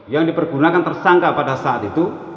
yang dipergunakan tersangka pada saat itu